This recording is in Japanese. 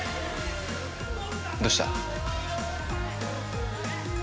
どうした？